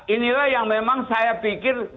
inilah yang memang saya pikir